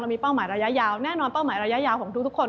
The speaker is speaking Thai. มีเป้าหมายระยะยาวแน่นอนเป้าหมายระยะยาวของทุกคน